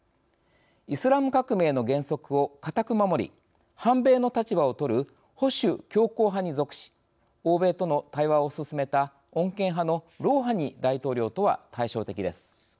イスラム革命の原則を固く守り反米の立場をとる保守強硬派に属し欧米との対話を進めた穏健派のロウハニ大統領とは対照的です。